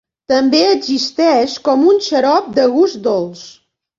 També existeix com un xarop de gust dolç.